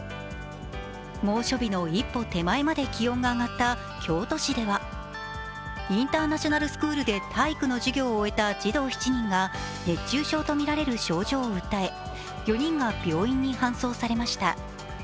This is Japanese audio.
猛暑日の一歩手前まで気温が上がった京都市では、インターナショナルスクールで体育の授業を終えた児童７人が熱中症とみられる症状を訴え４人が病院に搬送されました。